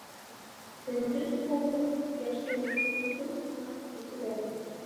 كۈندۈز قوغلاپ قۇياشنى، يۇلتۇز ساناپ كېچىدە.